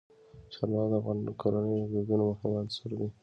چار مغز د افغان کورنیو د دودونو مهم عنصر دی.